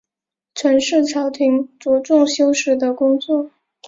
陈氏朝廷着重修史的工作。